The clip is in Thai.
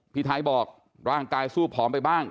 พี่ไทยบอกร่างกายสู้ผอมไปบ้าง